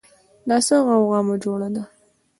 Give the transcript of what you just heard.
دا څه غوغا مو جوړه ده